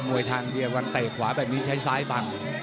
วยทางเดียวกันเตะขวาแบบนี้ใช้ซ้ายบัง